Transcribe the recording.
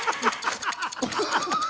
アハハハハ！